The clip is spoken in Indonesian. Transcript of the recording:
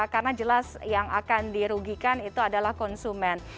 karena jelas yang akan dirugikan itu adalah konsumen